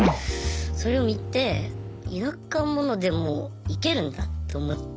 それを見て田舎者でもイケるんだと思って。